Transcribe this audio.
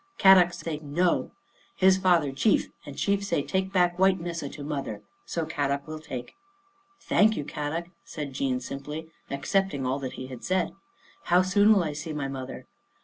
Kadok say ' No.' His father chief, and chief say, ' Take back white Missa to mother.' So Kadok will take." " Thank you, Kadok," said Jean simply, ac cepting all that he said. " How soon will I see my mother?